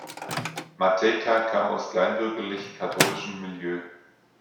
Matejka kam aus kleinbürgerlich katholischem Milieu.